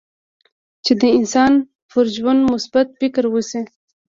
چې د انسان پر ژوند مثبت فکر وشي.